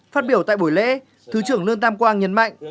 phát biểu tại buổi lễ thứ trưởng lương tam quang nhấn mạnh